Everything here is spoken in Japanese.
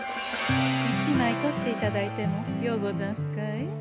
一枚とっていただいてもようござんすかえ？